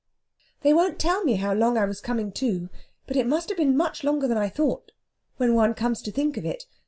"They won't tell me how long I was coming to, but it must have been much longer than I thought, when one comes to think of it.